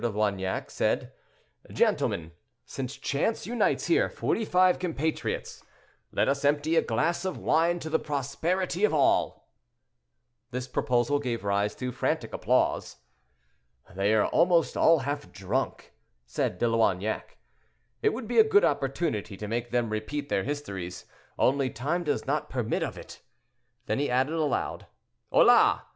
de Loignac said, "Gentlemen, since chance unites here forty five compatriots, let us empty a glass of wine to the prosperity of all." This proposal gave rise to frantic applause. "They are almost all half drunk," said De Loignac; "it would be a good opportunity to make them repeat their histories, only time does not permit of it." Then he added aloud, "Hola!